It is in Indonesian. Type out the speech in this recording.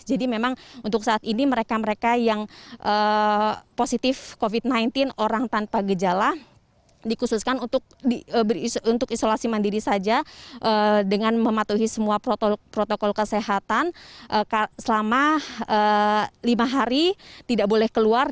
memang untuk saat ini mereka mereka yang positif covid sembilan belas orang tanpa gejala dikhususkan untuk isolasi mandiri saja dengan mematuhi semua protokol kesehatan selama lima hari tidak boleh keluar